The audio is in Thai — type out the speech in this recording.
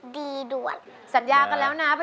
ในรายการของเรานะ